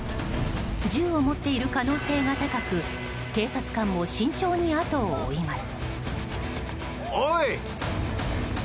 銃を持っている可能性が高く警察官も慎重に後を追います。